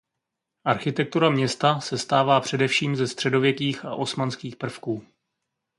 Architektura města sestává především ze středověkých a osmanských prvků.